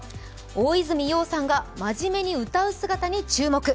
大泉洋さんがまじめに歌う姿に注目。